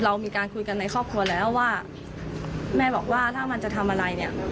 เรามีการคุยกันในครอบครัวแล้วว่าแม่บอกว่าถ้ามันจะทำอะไรเนี่ย